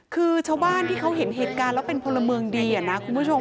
คือชาวบ้านที่เขาเห็นเหตุการณ์แล้วเป็นพลเมืองดีนะคุณผู้ชม